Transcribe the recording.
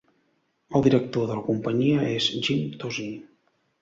El director de la companyia és Jim Tozzi.